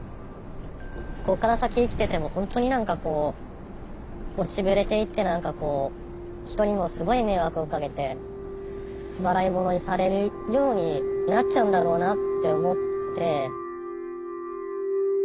ここから先生きてても本当に何かこう落ちぶれていって何かこう人にもすごい迷惑をかけて笑いものにされるようになっちゃうんだろうなって思って。